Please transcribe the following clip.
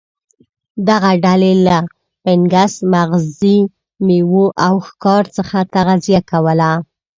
دغه ډلې له فنګس، مغزي میوو او ښکار څخه تغذیه کوله.